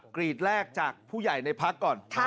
กรีดแรกจากผู้ใหญ่ในพักก่อน